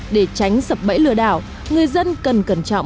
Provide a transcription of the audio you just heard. để tránh sập bẫy lừa đảo